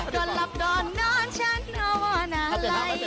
กลอนลับนอนฉันอานวอนอะไร